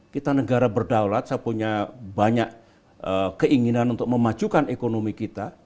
kita negara berdaulat saya punya banyak keinginan untuk memajukan ekonomi kita